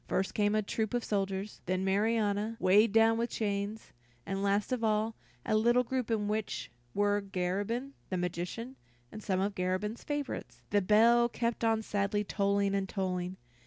First came a troop of soldiers, then Marianna, weighted down with chains, and last of all, a little group in which were Garabin, the magician, and some of Garabin's favorites. The bell kept on sadly tolling and tolling.